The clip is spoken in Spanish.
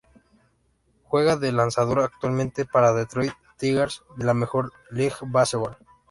Juega de lanzador actualmente para Detroit Tigers de la Major League Baseball.